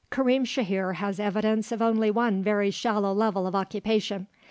Karim Shahir has evidence of only one very shallow level of occupation.